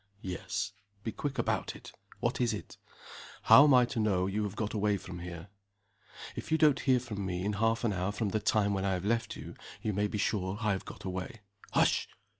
"Yes." "Be quick about it! What is it?" "How am I to know you have got away from here?" "If you don't hear from me in half an hour from the time when I have left you, you may be sure I have got away. Hush!"